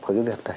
của cái việc này